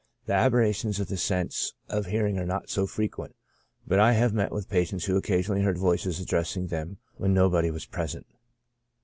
The aberrations of the sense of hearing are not so frequent, but I have met with patients who occasionally heard voices addressing them when nobody was present.